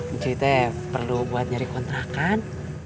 ini perlu buat nyari kontrakan